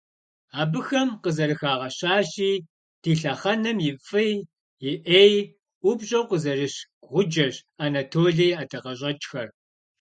Абыхэм къызэрыхагъэщащи, «ди лъэхъэнэм и фӀи и Ӏеи ӀупщӀу къызэрыщ гъуджэщ Анатолэ и ӀэдакъэщӀэкӀхэр».